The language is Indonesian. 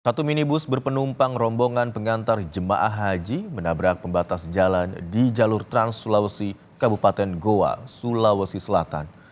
satu minibus berpenumpang rombongan pengantar jemaah haji menabrak pembatas jalan di jalur trans sulawesi kabupaten goa sulawesi selatan